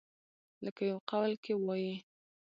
لکه يو قول کښې وائي ۔